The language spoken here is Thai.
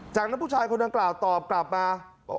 จากนั้นผู้ชายคนดังกล่าวตอบกลับมา